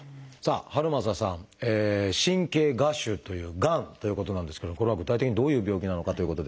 遥政さん神経芽腫というがんということなんですけどこれは具体的にどういう病気なのかということですが。